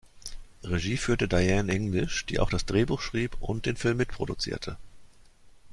Regie führte Diane English, die auch das Drehbuch schrieb und den Film mitproduzierte.